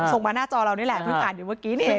ส่งมาหน้าจอเรานี่แหละคุณผู้ชมอ่านอยู่เมื่อกี้นี่เอง